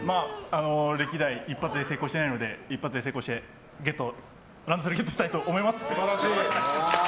歴代一発で成功していないので一発で成功してランドセルゲットしたいと思います。